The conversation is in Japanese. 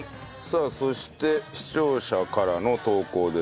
さあそして視聴者からの投稿です。